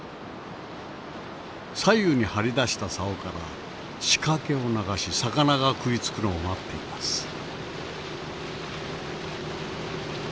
左右に張り出した竿から仕掛けを流し魚が食いつくのを待っています。